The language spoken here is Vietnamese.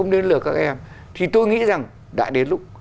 đã đến lúc